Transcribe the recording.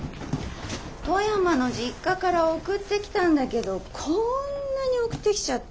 富山の実家から送ってきたんだけどこんなに送ってきちゃって。